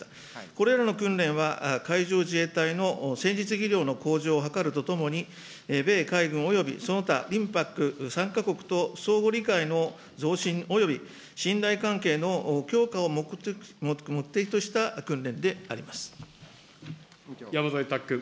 これらの訓練は、海上自衛隊の戦術技量の向上を図るとともに、米海軍およびその他リムパック参加国と相互理解の増進、および信頼関係の強化を目的とした訓練であ山添拓君。